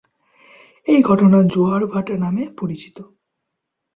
এই ঘটনা জোয়ার-ভাটা নামে পরিচিত।